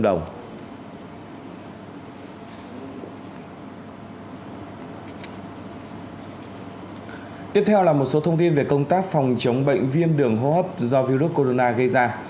tiếp theo là một số thông tin về công tác phòng chống bệnh viêm đường hô hấp do virus corona gây ra